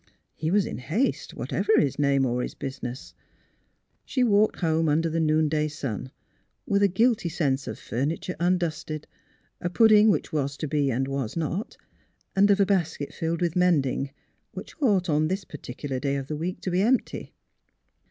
He was in haste, whatever his name or business. ... She walked home under the noonday sun, with a guilty sense of furniture undusted, a pudding, which was to be and was not, and of a basket filled with mending, which ought on this particular day of the week to be empty.